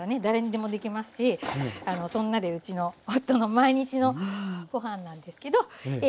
誰にでもできますしそんなでうちの夫の毎日のご飯なんですけど。